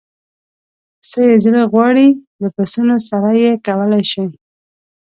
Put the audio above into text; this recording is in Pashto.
څه یې زړه غواړي له پسونو سره یې کولای شي.